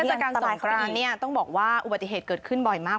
เทศกาลสงครานต้องบอกว่าอุบัติเหตุเกิดขึ้นบ่อยมาก